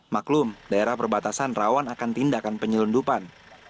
maklum daerah perbatasan rawan akan tindakan penyelundupan